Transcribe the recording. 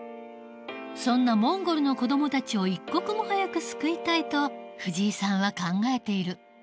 そんなモンゴルの子どもたちを一刻も早く救いたいと藤井さんは考えている。